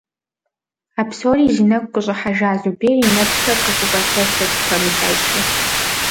А псори зи нэгу къыщIыхьэжа Зубер и нэпсхэр къыфIыщIэлъэлъырт, пэмылъэщу.